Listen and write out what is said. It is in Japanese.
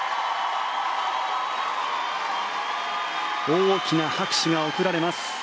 大きな拍手が送られます。